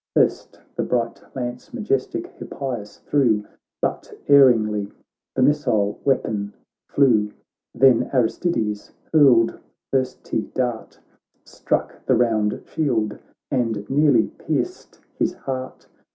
First the bright lance majestic Hippias threw, But erringly the missile weapon flew ; Then Aristides hurled the thirsty dart, Struck the round shield, and nearly pierced his heart.